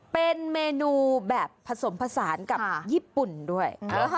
เป็นเมนูแบบผสมผสานกับญี่ปุ่นด้วย